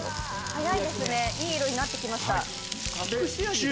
はやいですねいい色になってきました